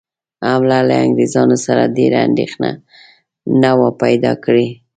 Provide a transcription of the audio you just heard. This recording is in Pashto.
حمله له انګرېزانو سره ډېره اندېښنه نه وه پیدا کړې.